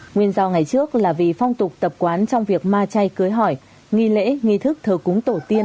nguyên do ngày trước là vì phong tục tập quán trong việc ma chay cưới hỏi nghi lễ nghi thức thờ cúng tổ tiên